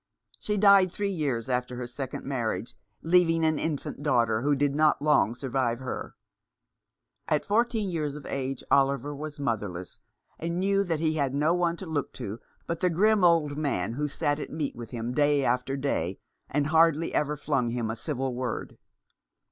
She died three years after her second marriage, leaving an infant daughter who did not long survive her. At four teen years of age Oliver was motherless, and knew that he had no one to look to but the grim old man who sat at meat with him day after day, and 34i Rough Justice. hardly ever flung him a civil word.